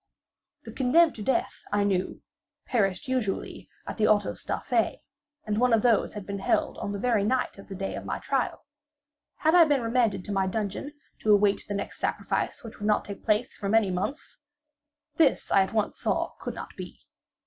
The condemned to death, I knew, perished usually at the autos da fe, and one of these had been held on the very night of the day of my trial. Had I been remanded to my dungeon, to await the next sacrifice, which would not take place for many months? This I at once saw could not be.